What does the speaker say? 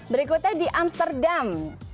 berikutnya di amsterdam